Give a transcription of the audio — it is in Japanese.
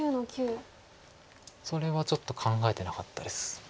それはちょっと考えてなかったです。